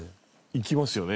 いきますよね